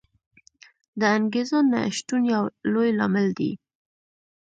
د انګېزو نه شتون یو لوی لامل دی.